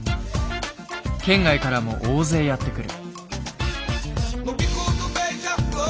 県外からも大勢やって来る。